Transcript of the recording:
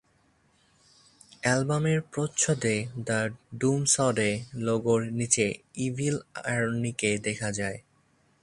অ্যালবামের প্রচ্ছদে the Doomsday লোগোর নিচে ইভিল আরনিকে দেখা যায়।